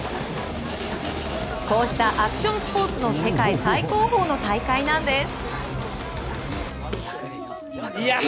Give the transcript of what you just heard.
こうしたアクションスポーツの世界最高峰の大会なんです。